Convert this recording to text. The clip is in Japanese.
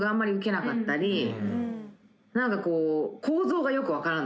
何かこう。